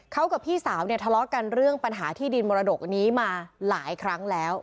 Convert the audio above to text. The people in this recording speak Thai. เขากับพี่สาวเนี่ยทะเลาะกันเรื่องปัญหาที่ดินมรดกนี้มาหลายครั้งแล้ว